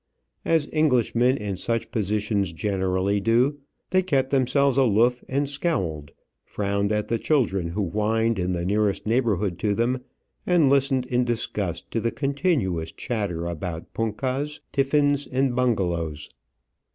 As Englishmen in such positions generally do, they kept themselves aloof and scowled, frowned at the children who whined in the nearest neighbourhood to them, and listened in disgust to the continuous chatter about punkahs, tiffins, and bungalows.